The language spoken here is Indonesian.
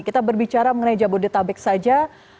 kita berbicara mengenai jabodetabek saja